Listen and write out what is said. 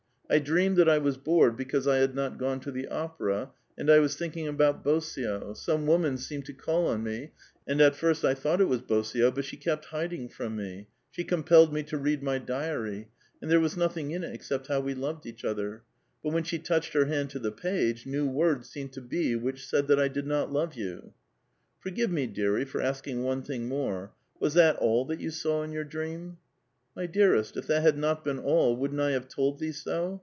I dreamed that I was bored because I bad nut goue to tbe opera, and I was thinking about l^>sio ; some woman seemed to call on me, and at fii*st I tboutrht it was Bosio, but she kept hiding fi oni me ; she compelled me to read my diary ; and there was nothing in it except bow we loved each other ; but when she touched her hand to the pages, new words seemed to be which said that I did not love vou." '• Forgive me, deai*ie,* for asking one thing more. Was that all that vou saw in your dream ?'^ My dearest, if that had not been all, wouldn't I have told thee so?